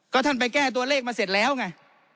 ก็ท่านไปแก้ตัวเลขมาเสร็จแล้วไง